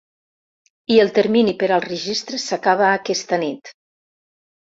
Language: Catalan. I el termini per al registre s’acaba aquesta nit.